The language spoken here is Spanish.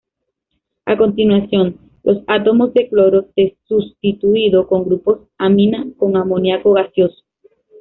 A continuación, los átomos de cloro se sustituido con grupos amina con amoniaco gaseoso.